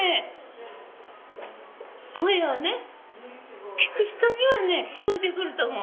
声はね聞く人にはね聞こえてくると思う。